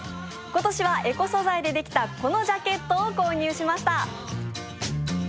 今年はエコ素材でできたこのジャケットを購入しました。